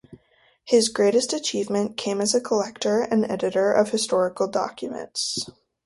His greatest achievement came as a collector and editor of historical documents.